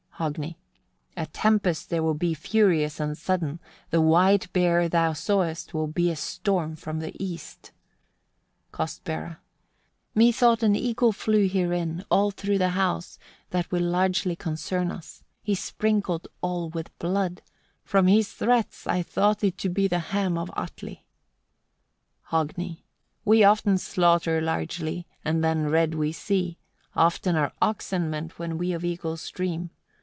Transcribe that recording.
Hogni. 18. "A tempest there will be furious and sudden: the white bear thou sawest will be a storm from the east." Kostbera. 19. "Methought an eagle flew herein, all through the house: that will largely concern us. He sprinkled all with blood: from his threats I thought it to be the 'ham' of Atli." Hogni. 20. "We often slaughter largely, and then red we see: often are oxen meant, when we of eagles dream.